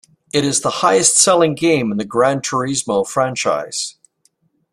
It is the highest-selling game in the "Gran Turismo" franchise.